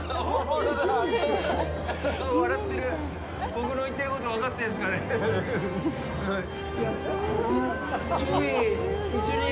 僕の言ってること、分かってるんですかね？